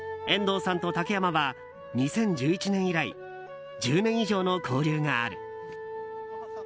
遠藤さんと竹山は２０１１年以来１０年以上の交流がある。